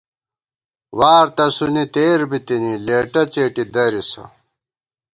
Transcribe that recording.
وار تسُونی تېر بِتِنی لېٹہ څېٹی دریسہ